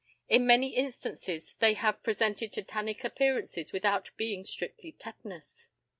In many instances they have presented tetanic appearances without being strictly tetanous.